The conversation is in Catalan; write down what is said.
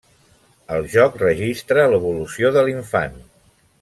El joc registra l’evolució de l’infant.